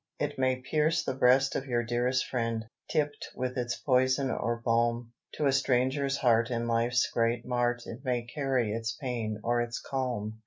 It may pierce the breast of your dearest friend, Tipped with its poison or balm: To a stranger's heart in life's great mart It may carry its pain or its calm."